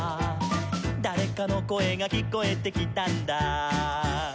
「だれかのこえがきこえてきたんだ」